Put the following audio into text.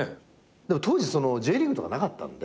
でも当時Ｊリーグとかなかったんで。